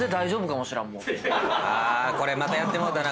あこれまたやってもうたな。